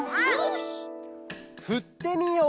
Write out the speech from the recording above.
「ふってみよう」。